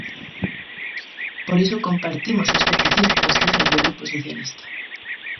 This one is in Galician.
Por iso, compartimos o escepticismo nas cifras do Grupo Socialista.